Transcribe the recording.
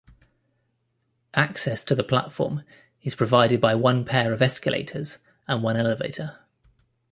Access to the platform is provided by one pair of escalators and one elevator.